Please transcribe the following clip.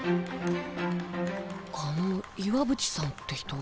あの岩渕さんって人。